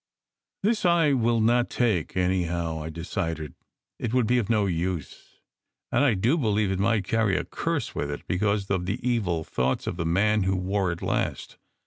"This I will not take, anyhow!" I decided. "It would be of no use, and I do believe it might carry a curse with it, because of the evil thoughts of the man who wore it last.